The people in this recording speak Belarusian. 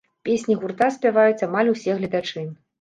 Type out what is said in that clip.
Песні гурта спяваюць амаль усе гледачы.